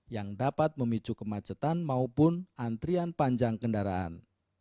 yang dapat memicu kemacetan maupun antrian panjang kendaraan